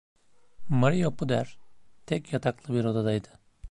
Maria Puder, tek yataklı bir odadaydı.